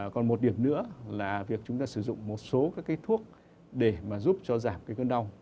còn một điểm nữa là việc chúng ta sử dụng một số các cái thuốc để mà giúp cho giảm cái cơn đau